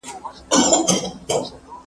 عایداتي تاثیرات د خلګو ژوند بدلوي.